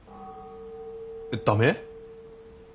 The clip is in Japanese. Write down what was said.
駄目？